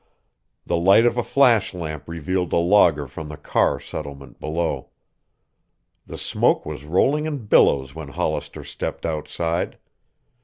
The light of a flash lamp revealed a logger from the Carr settlement below. The smoke was rolling in billows when Hollister stepped outside.